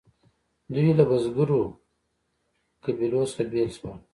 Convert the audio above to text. دوی له بزګرو قبیلو څخه بیل شول.